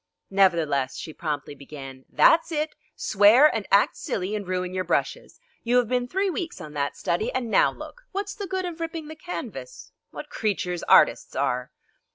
Nevertheless she promptly began: "That's it! Swear and act silly and ruin your brushes! You have been three weeks on that study, and now look! What's the good of ripping the canvas? What creatures artists are!"